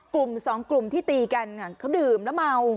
กลุ่มสองกลุ่มที่ตีกันเขาดื่มแล้วเมา